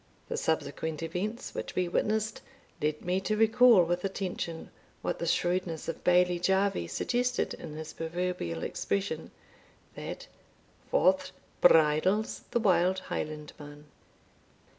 The subsequent events which we witnessed led me to recall with attention what the shrewdness of Bailie Jarvie suggested in his proverbial expression, that "Forth bridles the wild Highlandman."